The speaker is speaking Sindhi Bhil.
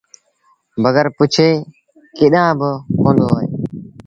بگر پُڇي ڪيڏآݩ با ڪوندو وهي